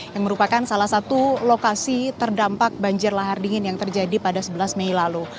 yang merupakan salah satu lokasi terdampak banjir lahar dingin yang terjadi pada sebelas mei lalu